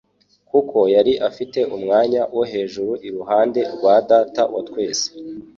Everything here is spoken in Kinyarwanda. kuko yari afite umwanya wo hejruu iruhande rwa Data wa twese.